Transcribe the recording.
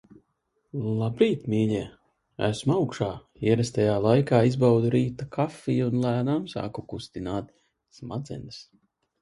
Labrīt, mīļie! Esmu augšā ierastajā laikā, izbaudu rīta kafiju un lēnām sāku kustināt smadzenes.